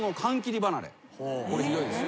これひどいです。